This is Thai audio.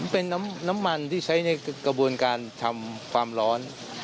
เป็นน้ำมันที่ใช้ในกระบวนการทำความร้อน